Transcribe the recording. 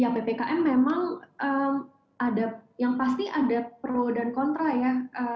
ya ppkm memang ada yang pasti ada pro dan kontra ya